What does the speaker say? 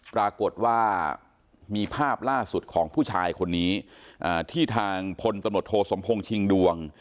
ปรากฏว่ามีภาพล่าสุดของผู้ชายคนนี้ที่ทางพลตำรวจโทสมพงศ์ชิงดวง